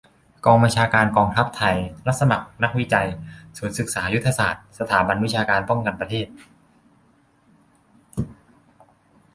กองบัญชาการกองทัพไทย รับสมัคร นักวิจัย ศูนย์ศึกษายุทธศาสตร์ สถาบันวิชาการป้องกันประเทศ